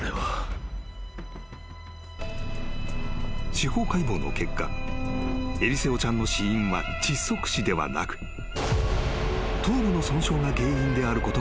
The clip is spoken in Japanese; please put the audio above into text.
［司法解剖の結果エリセオちゃんの死因は窒息死ではなく頭部の損傷が原因であることが判明した］